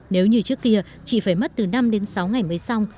nếu như trước kia chị phải mất từ năm đến sáu ngày mới xong